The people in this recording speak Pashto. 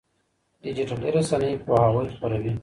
ډيجيټلي رسنۍ پوهاوی خپروي.